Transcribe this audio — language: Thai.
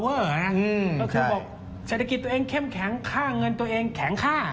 ก็คือบอกเศรษฐกิจตัวเองเข้มแข็งค่าเงินตัวเองแข็งค่า